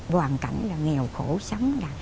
hoàn cảnh là nghèo khổ sống